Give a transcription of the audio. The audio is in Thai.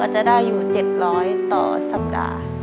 จะได้อยู่๗๐๐ต่อสัปดาห์